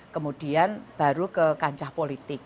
kemudian baru ke kancah politik